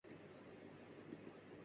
نہ کیوں ہو دل پہ مرے داغِ بدگمانیِ شمع